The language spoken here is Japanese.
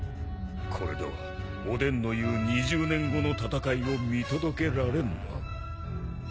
これではおでんの言う２０年後の戦いを見届けられんな。